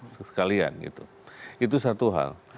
sekalian itu satu hal